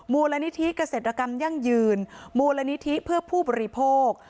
มูลนิธิเกษตรกรรมยั่งยืนมูลนิธิเพื่อผู้บริโภค